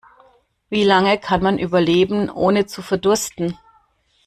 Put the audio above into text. Wie lange kann man überleben, ohne zu verdursten?